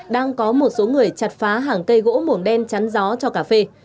đang có một số người chặt phá hàng cây gỗ mường đen chắn gió cho cà phê